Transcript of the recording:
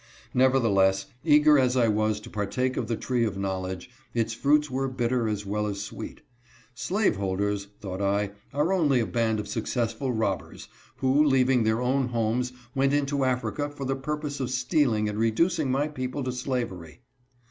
Nevertheless, eager as I was to partake of the tree of knowledge, its fruits were bitter as well as sweet. " Slaveholders," thought I, " are only a.,i)and of success ful robbers^ whcxleaving their own homes, went into Africa for the purpose of stealing and reducing my people ~ to slavery."